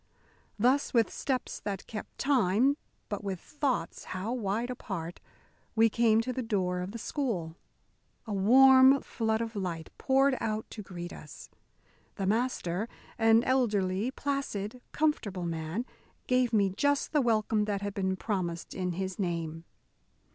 Thus, with steps that kept time, but with thoughts how wide apart, we came to the door of the school. A warm flood of light poured out to greet us. The Master, an elderly, placid, comfortable man, gave me just the welcome that had been promised in his name.